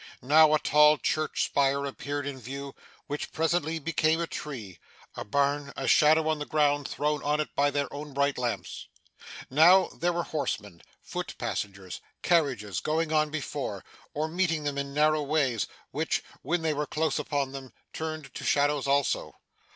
Now, a tall church spire appeared in view, which presently became a tree, a barn, a shadow on the ground, thrown on it by their own bright lamps. Now, there were horsemen, foot passengers, carriages, going on before, or meeting them in narrow ways; which, when they were close upon them, turned to shadows too.